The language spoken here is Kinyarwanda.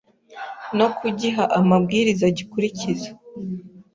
no kugiha amabwiriza gikurikiza